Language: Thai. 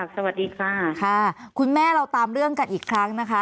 สวัสดีค่ะค่ะคุณแม่เราตามเรื่องกันอีกครั้งนะคะ